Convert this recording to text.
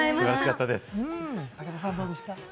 武田さん、どうでした？